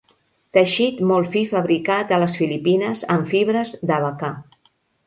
Teixit molt fi fabricat a les Filipines amb fibres d'abacà.